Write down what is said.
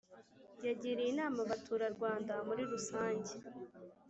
yagiriye inama abaturarwanda muri rusange